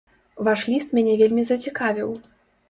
Ваш ліст мяне вельмі зацікавіў.